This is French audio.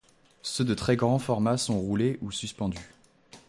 Ceux de très grand format sont roulés ou suspendus.